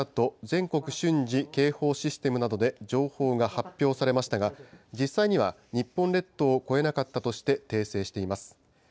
・全国瞬時警報システムなどで情報が発表されましたが、実際には日本列島を越えなかったとして、訂正しています。